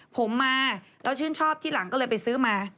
ผมมาแล้วชื่นชอบที่หลังก็เลยไปซื้อมา